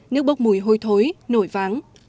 nước bốc mùi hôi thối nổi váng